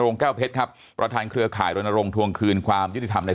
ลงแก้วเพชรประทานเคลือข่ายล้นลงทวงคืนความยุธิธรรมใน